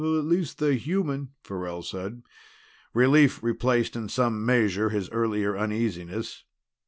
"At least they're human," Farrell said. Relief replaced in some measure his earlier uneasiness.